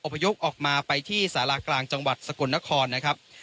พยพออกมาไปที่สารากลางจังหวัดสกลนครนะครับ